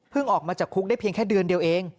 ออกมาจากคุกได้เพียงแค่เดือนเดียวเอง